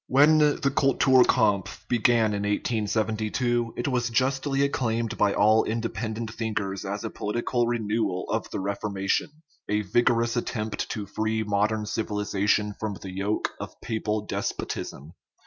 When the cultur kampf began in 1872, it was justly acclaimed by all independent thinkers as a political renewal of the Reformation, a vigorous attempt to free modern civilization from the yoke of papal despotism.